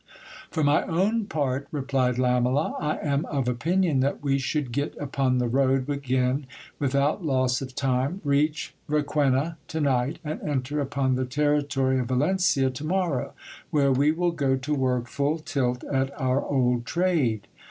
For my own part, replied Lamela, I am of opinion that we should get upon the road again without loss of time, reach Requena to night, and enter upon the territory of Valencia to morrow, where we will go to work full tilt at our old trade.